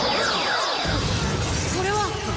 これは！？